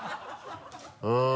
うん。